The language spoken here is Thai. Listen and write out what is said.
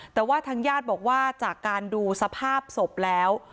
แต่ว่าทางญาติบอกว่าจากการดูสภาพศพแล้ว